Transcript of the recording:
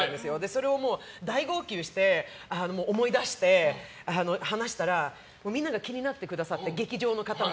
それを大号泣して思い出して話したらみんなが気になってくださって劇場の方も。